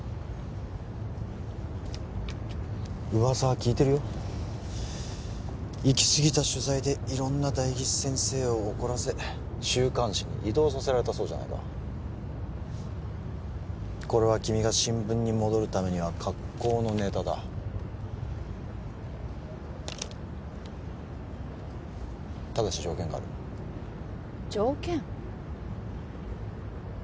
噂は聞いてるよ行き過ぎた取材で色んな代議士先生を怒らせ週刊誌に異動させられたそうじゃないかこれは君が新聞に戻るためには格好のネタだただし条件がある条件？